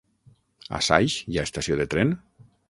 A Saix hi ha estació de tren?